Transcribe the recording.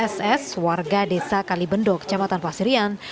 ss warga desa kalibendo kecamatan pasirian